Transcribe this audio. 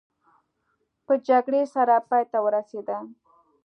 په جګړې سره پای ته ورسېده.